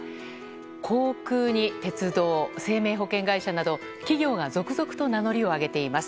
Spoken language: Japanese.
航空に鉄道、生命保険会社など企業が続々と名乗りを上げています。